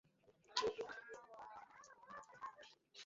Neatendite li venas en la soldatan kuirejon.